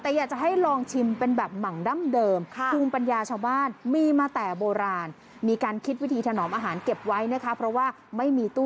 แต่อยากจะให้ลองชิมเป็นแบบหม่ำดำเดิม